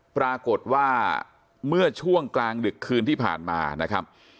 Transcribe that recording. ปรากฏว่าเมื่อช่วงกลางดึกคืนที่ผ่านมานะครับ